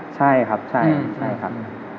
ใช่ครับใช่ครับ